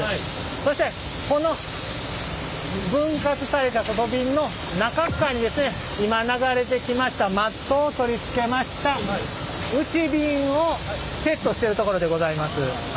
そしてこの分割された外びんの中っかわに今流れてきましたマットを取り付けました内びんをセットしてるところでございます。